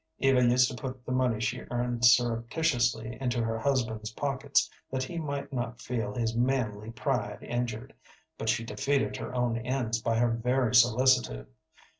Eva used to put the money she earned surreptitiously into her husband's pockets that he might not feel his manly pride injured, but she defeated her own ends by her very solicitude.